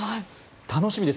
楽しみです。